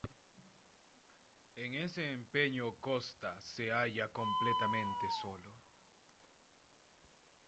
En ese empeño Costa se halla completamente solo.